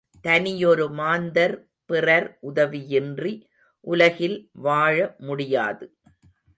தனியொரு மாந்தர் பிறர் உதவியின்றி உலகில் வாழ முடியாது.